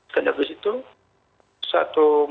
dan habis itu satu minggu